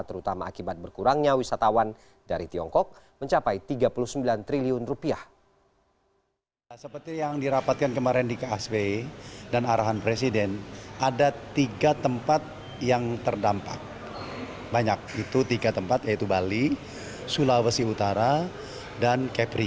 terutama akibat berkurangnya wisatawan dari tiongkok mencapai tiga puluh sembilan triliun rupiah